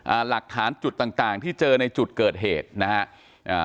หลักฐานจุดต่างต่างที่เจอในจุดเกิดเหตุนะฮะอ่า